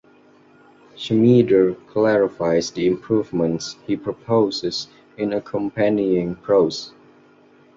Schmieder clarifies the improvements he proposes in accompanying prose.